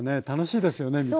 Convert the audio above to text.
楽しいですよね